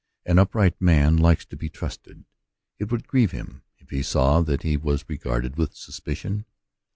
An upright man likes to be trusted ; it would grieve him if he saw that he was regarded with suspicion.